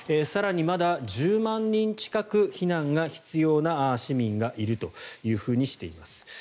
更にまだ１２万人近く避難が必要な市民がいるとしています。